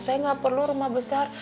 saya nggak perlu rumah besar